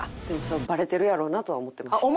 バレてるやろうなとは思ってました。